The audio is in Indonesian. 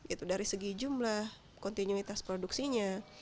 itu dari segi jumlah kontinuitas produksinya